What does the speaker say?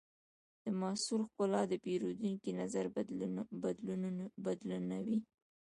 د محصول ښکلا د پیرودونکي نظر بدلونوي.